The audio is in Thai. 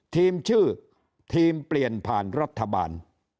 ทีมชื่อทีมเปลี่ยนผ่านรัฐบาล